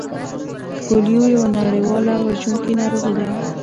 پولیو یوه نړیواله وژونکې ناروغي ده